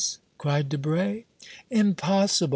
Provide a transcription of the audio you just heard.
cried Debray. "Impossible!